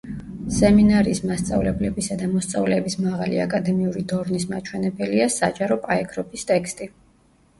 სემინარიის მასწავლებლებისა და მოსწავლეების მაღალი აკადემიური დორნის მაჩვენებელია საჯარო პაექრობის ტექსტი.